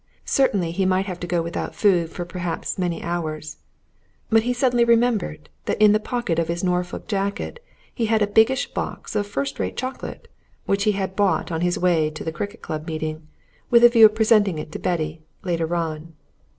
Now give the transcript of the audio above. Certainly he might have to go without food for perhaps many hours but he suddenly remembered that in the pocket of his Norfolk jacket he had a biggish box of first rate chocolate, which he had bought on his way to the cricket club meeting, with a view of presenting it to Betty, later on.